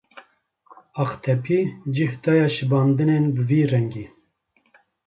Aqtepî cih daye şibandinên bi vî rengî.